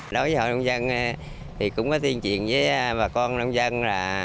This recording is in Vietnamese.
đối với hội nông dân thì cũng có tiên triện với bà con nông dân là